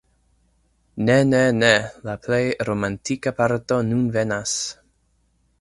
Ne, ne, ne! La plej romantika parto nun venas!